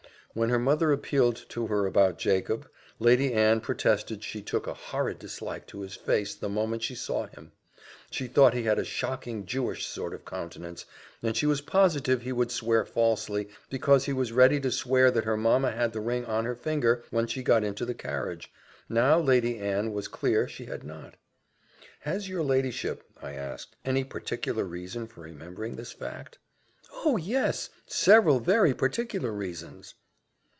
When her mother appealed to her about Jacob, Lady Anne protested she took a horrid dislike to his face the moment she saw him; she thought he had a shocking Jewish sort of countenance, and she was positive he would swear falsely, because he was ready to swear that her mamma had the ring on her finger when she got into the carriage now Lady Anne was clear she had not. "Has your ladyship," I asked, "any particular reason for remembering this fact?" "Oh, yes! several very particular reasons."